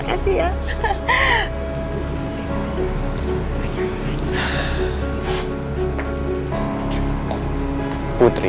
tante simpen si putri